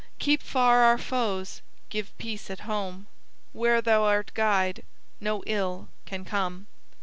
Keep far our foes; give peace at home; Where Thou art Guide, no ill can come.'"